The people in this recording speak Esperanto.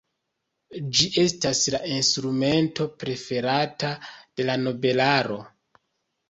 Ĝi estas la instrumento preferata de la nobelaro.